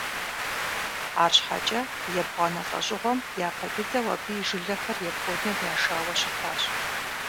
Арщхьэкӏэ ебгъуанэ лӏэщӏыгъуэм япэ дыдэу абы и жылэхэр Японием яшауэ щытащ.